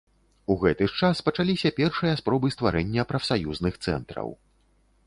У гэты ж час пачаліся першыя спробы стварэння прафсаюзных цэнтраў.